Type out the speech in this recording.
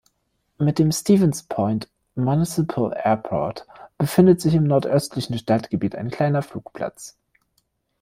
Mit dem Stevens Point Municipal Airport befindet sich im nordöstlichen Stadtgebiet ein kleiner Flugplatz.